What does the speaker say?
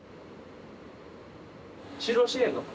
就労支援の方。